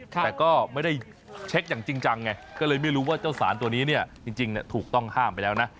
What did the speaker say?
แต่ก็ไม่ได้เช็คอย่างจริงจังไงก็เลยไม่รู้ว่าเจ้าสารตัวนี้เนี่ยจริงถูกต้องห้ามไปแล้วนะ